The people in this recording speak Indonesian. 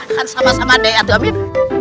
akan sama sama dai atu amin